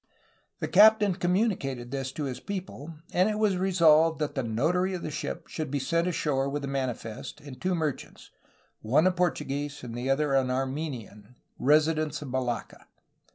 The captain communicated this to his people, and it was resolved that the notary of the ship should be sent ashore with the manifest and two merchants, one a Portu guese and the other an Armenian, residents of Malacca.